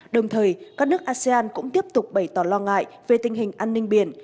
đồng thời các nước asean cũng tiếp tục bày tỏ lo ngại về tình hình an ninh biển